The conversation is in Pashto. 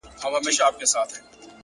هر منزل د هڅو پایله وي!